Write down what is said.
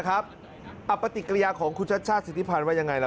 ปฏิกิริยาของคุณชัชชาติสิทธิพันธ์ว่ายังไงล่ะ